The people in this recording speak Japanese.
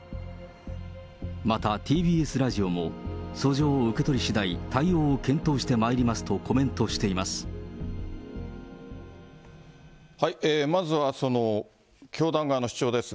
またＴＢＳラジオも、訴状を受け取りしだい対応を検討してまいりますとコメントしています。